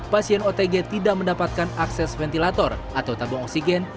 pasien otg tidak mendapatkan akses ventilator atau tabung oksigen